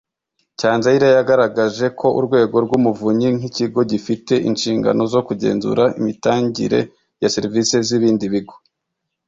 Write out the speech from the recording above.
Cyanzayire yagaragaje ko Urwego rw’Umuvunyi nk’ikigo gifite inshingano zo kugenzura imitangire ya serivisi z’ibindi bigo